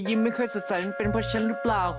ยิ้มไม่เคยสุดใสยังเป็นเพราะฉันรึเปล่า